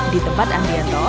di tempat ambianto